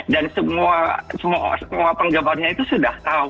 dan semua penggemarnya itu sudah tahu